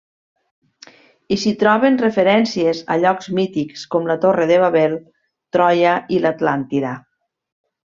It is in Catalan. I s'hi troben referències a llocs mítics com la Torre de Babel, Troia i l'Atlàntida.